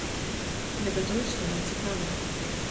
Гэта тое, што нам цікава.